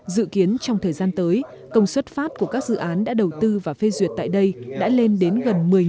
dự kiến trong thời gian tới công suất phát của các dự án đã đầu tư và phê duyệt tại đây đã lên đến gần một mươi mw